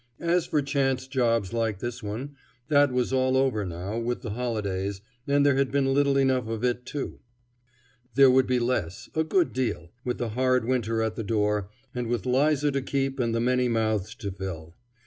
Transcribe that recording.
As for chance jobs like this one, that was all over now with the holidays, and there had been little enough of it, too. There would be less, a good deal, with the hard winter at the door, and with 'Liza to keep and the many mouths to fill.